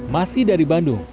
masih dari bandung